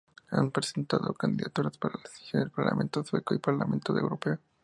Han presentado candidaturas para las elecciones del parlamento sueco y del parlamento europeo.